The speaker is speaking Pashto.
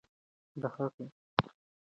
د هغې ننګیالی توب تر بل څه ستر و.